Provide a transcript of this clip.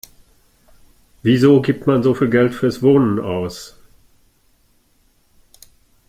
Wieso gibt man so viel Geld fürs Wohnen aus?